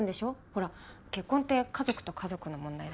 ほら結婚って家族と家族の問題だから。